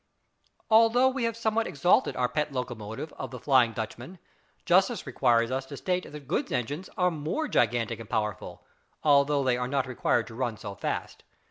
Although we have somewhat exalted our pet locomotive of the "Flying Dutchman," justice requires us to state that goods engines are more gigantic and powerful, though they are not required to run so fast.